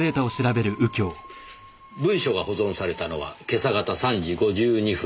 文書が保存されたのは今朝方３時５２分。